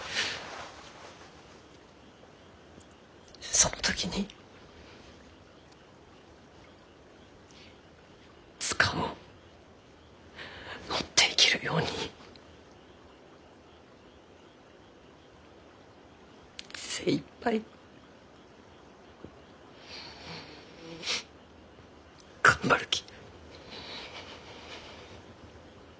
その時に図鑑を持っていけるように精いっぱい頑張るき。